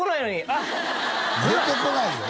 あっほら出てこないよ